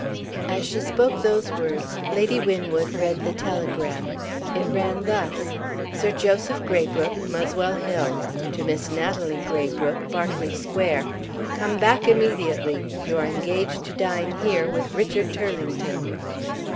As she spoke those words, Lady Winwood read the telegram. It ran thus: "Sir Joseph Graybrooke, Muswell Hill. To Miss Natalie Graybrooke; Berkeley Square. Come back immediately. You are engaged to dine here with Richard Turlington."